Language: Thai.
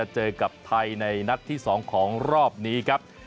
เจอกับไทยในนัดที่๒ของรอบนี้ครับ